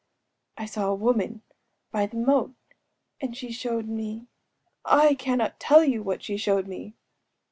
I saw a woman‚ÄĒby the moat;‚ÄĒand she showed me... Ah! I cannot tell you what she showed me!